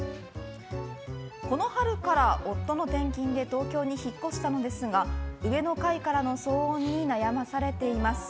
この春から夫の転勤で東京に引っ越したのですが上の階からの騒音に悩まされています。